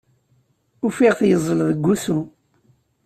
Ufiɣ-t yeẓẓel deg wusu.